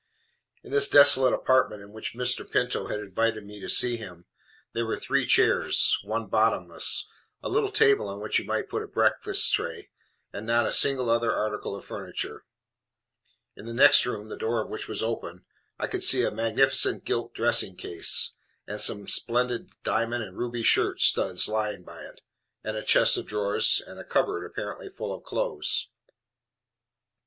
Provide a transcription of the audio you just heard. In this desolate apartment in which Mr. Pinto had invited me to see him, there were three chairs, one bottomless, a little table on which you might put a breakfast tray, and not a single other article of furniture. In the next room, the door of which was open, I could see a magnificent gilt dressing case, with some splendid diamond and ruby shirt studs lying by it, and a chest of drawers, and a cupboard apparently full of clothes.